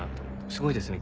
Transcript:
すごいですね